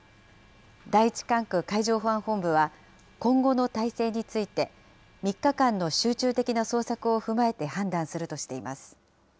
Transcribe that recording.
第１管区海上保安本部は、今後の態勢について、３日間の集中的な捜索を踏まえて判断するとしています。